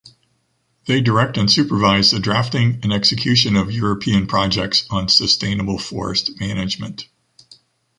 They direct and supervise the drafting and execution of European projects on sustainable forest management.